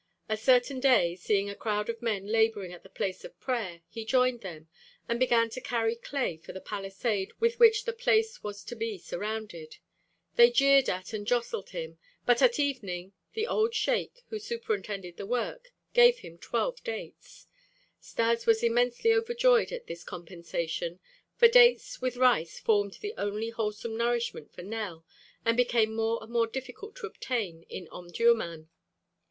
A certain day, seeing a crowd of men laboring at the place of prayer, he joined them, and began to carry clay for the palisade with which the place was to be surrounded. They jeered at and jostled him, but at evening the old sheik, who superintended the work, gave him twelve dates. Stas was immensely overjoyed at this compensation, for dates with rice formed the only wholesome nourishment for Nell and became more and more difficult to obtain in Omdurmân.